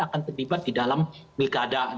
akan terlibat di dalam pilkada